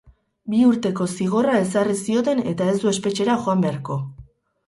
Bi urteko zigorra ezarri zioten eta ez du espetxera joan beharko.